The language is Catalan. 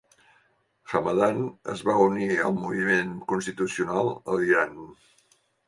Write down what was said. Hamadan es va unir al moviment constitucional de l'Iran.